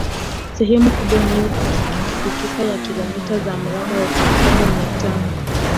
Sehemu kubwa inayofikika ya kilomita za mraba elfu saba mia tano